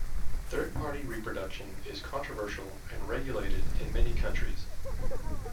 Third party reproduction is controversial and regulated in many countries.